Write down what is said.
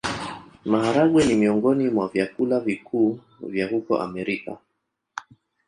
Maharagwe ni miongoni mwa vyakula vikuu vya huko Amerika.